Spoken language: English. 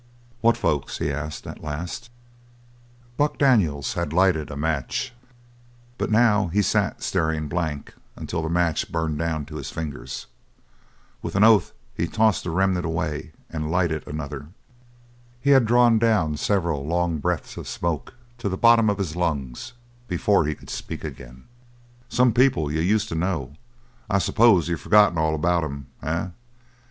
"What folks?" he asked at last Buck Daniels had lighted a match, but now he sat staring blank until the match burned down to his fingers. With an oath he tossed the remnant away and lighted another. He had drawn down several long breaths of smoke to the bottom of his lungs before he could speak again. "Some people you used to know; I suppose you've forgotten all about 'em, eh?"